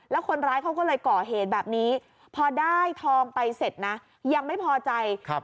แล้วคนร้ายเขาก็เลยก่อเหตุแบบนี้พอได้ทองไปเสร็จนะยังไม่พอใจครับ